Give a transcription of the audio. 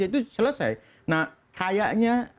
itu selesai nah kayaknya